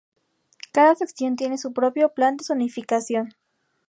Cada sección tiene su propio plan de zonificación.